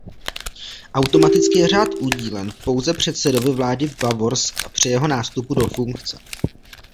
Automaticky je řád udílen pouze předsedovi vlády Bavorska při jeho nástupu do funkce.